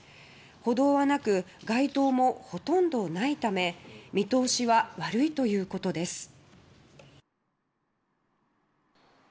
歩道はなく街灯もほとんどないため見通しは悪いということです。